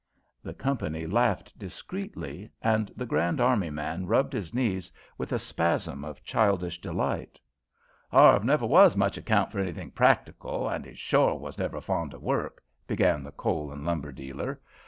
The company laughed discreetly, and the Grand Army man rubbed his knees with a spasm of childish delight. "Harve never was much account for anything practical, and he shore was never fond of work," began the coal and lumber dealer.